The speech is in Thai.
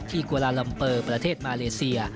กวาลาลัมเปอร์ประเทศมาเลเซีย